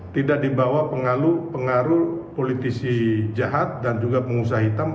tidak dibawa pengaruh pengaruh politisi jahat dan juga pengusaha hitam